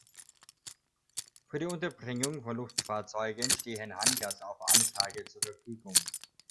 Für die Unterbringung von Luftfahrzeugen stehen Hangars auf Anfrage zur Verfügung.